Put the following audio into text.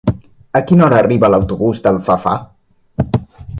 A quina hora arriba l'autobús d'Alfafar?